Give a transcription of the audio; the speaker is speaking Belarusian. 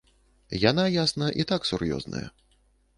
Яна, ясна, і так сур'ёзная.